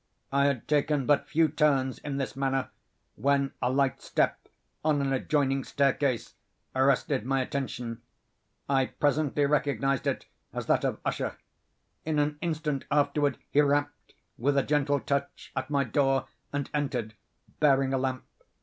I had taken but few turns in this manner, when a light step on an adjoining staircase arrested my attention. I presently recognised it as that of Usher. In an instant afterward he rapped, with a gentle touch, at my door, and entered, bearing a lamp.